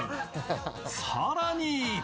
さらに